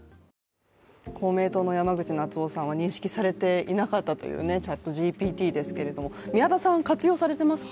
公明党の山口那津男さんは認識されていなかったというＣｈａｔＧＰＴですけども、宮田さん、活用されていますか？